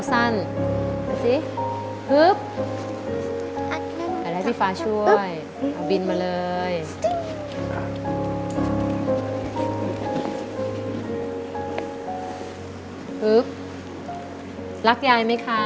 รักยายไหมคะ